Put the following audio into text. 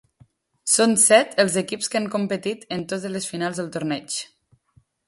Són set els equips que han competit en totes les finals del torneig.